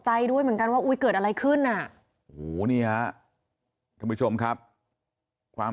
ใจด้วยเหมือนกันว่าอุ้ยเกิดอะไรขึ้นอ่ะทุกผู้ชมครับความ